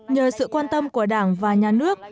nhờ sự quan tâm của đảng và nhà nước